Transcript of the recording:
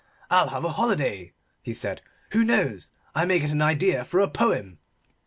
"I'll have a holiday," he said, "who knows I may get an idea for a poem!"